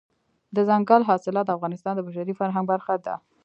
دځنګل حاصلات د افغانستان د بشري فرهنګ برخه ده.